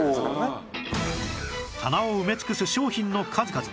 棚を埋め尽くす商品の数々